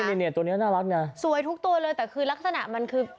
นี่เนี่ยตัวนี้น่ารักไงสวยทุกตัวเลยแต่คือลักษณะมันคือ